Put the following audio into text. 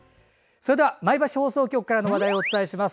それでは前橋放送局からお伝えします。